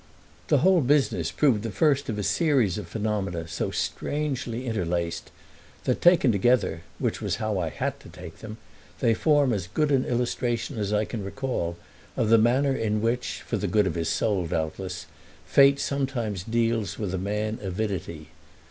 The whole business proved the first of a series of phenomena so strangely interlaced that, taken together—which was how I had to take them—they form as good an illustration as I can recall of the manner in which, for the good of his soul doubtless, fate sometimes deals with a man's avidity.